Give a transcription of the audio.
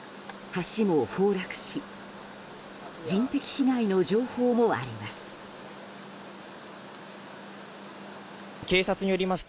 橋も崩落し人的被害の情報もあります。